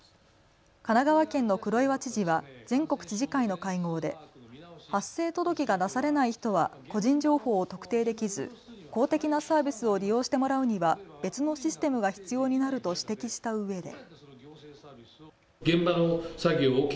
神奈川県の黒岩知事は全国知事会の会合で発生届が出されない人は個人情報を特定できず公的なサービスを利用してもらうには別のシステムが必要になると指摘したうえで。